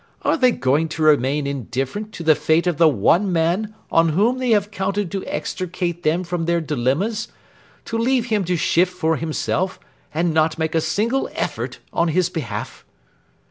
Are they going to remain indifferent to the fate of the one man on whom they have counted to extricate them from their dilemmas, to leave him to shift for himself, and not make a single effort on his behalf?'